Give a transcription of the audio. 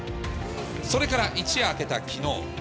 それから一夜明けたきのう。